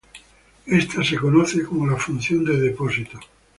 Ésta conoce como función de depósito.